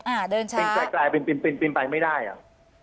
อ่าเดินช้าปินไกลปินไปไม่ได้อ่ะ